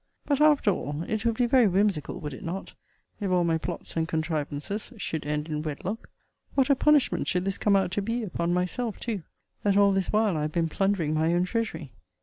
But, after all, it would be very whimsical, would it not, if all my plots and contrivances should end in wedlock? What a punishment should this come out to be, upon myself too, that all this while I have been plundering my own treasury?